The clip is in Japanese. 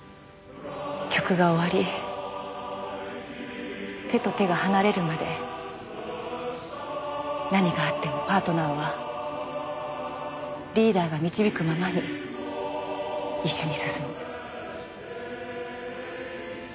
曲が終わり手と手が離れるまで何があってもパートナーはリーダーが導くままに一緒に進む。